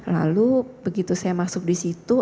lalu begitu saya masuk di situ